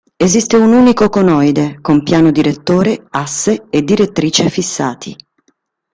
Esiste un unico conoide con piano direttore, asse e direttrice fissati.